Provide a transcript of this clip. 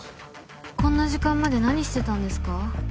こんな時間まで何してたんですか？